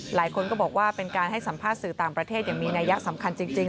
หลายคนก็บอกว่าเป็นการให้สัมภาษณ์สื่อต่างประเทศอย่างมีนัยยะสำคัญจริง